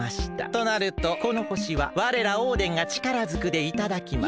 となるとこのほしはわれらオーデンがちからずくでいただきます。